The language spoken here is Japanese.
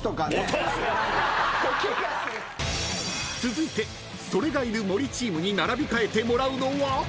［続いて”それ”がいる森チームに並び替えてもらうのは］